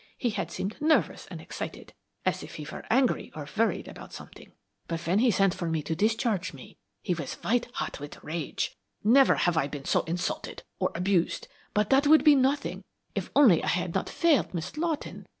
He had seemed nervous and excited, as if he were angry or worried about something, but when he sent for me to discharge me he was white hot with rage. Never have I been so insulted or abused, but that would be nothing if only I had not failed Miss Lawton.